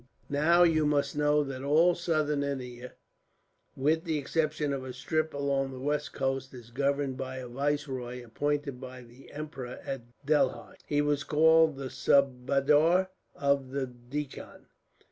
"Now you must know that all Southern India, with the exception of a strip along the west coast, is governed by a viceroy, appointed by the emperor at Delhi. He was called the Subadar of the Deccan.